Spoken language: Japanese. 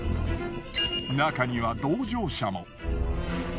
中には同乗者も。